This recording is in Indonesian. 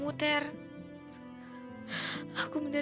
aku udah bener bener kehilangan kamu ter